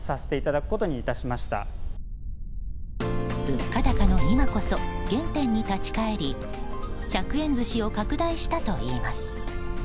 物価高の今こそ原点に立ち返り１００円寿司を拡大したといいます。